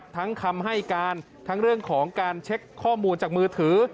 คำให้การทั้งเรื่องของการเช็คข้อมูลจากมือถือ